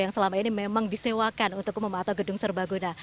yang selama ini memang disewakan untuk mematuh gedung serbaguna